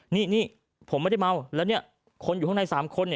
นี่นี่ผมไม่เมาแล้วนี้คนอยู่ข้างใน๓คน